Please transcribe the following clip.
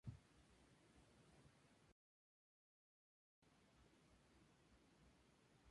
Se distribuye en tres salas de exposición y un patio ajardinado.